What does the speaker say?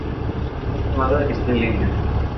La sesión filmada está en línea.